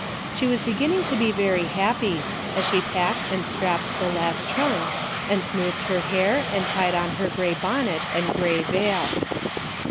She was beginning to be very happy, as she packed and strapped the last trunk, and smoothed her hair and tied on her grey bonnet and grey veil.